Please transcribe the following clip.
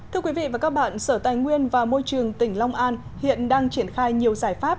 thưa quý vị và các bạn sở tài nguyên và môi trường tỉnh long an hiện đang triển khai nhiều giải pháp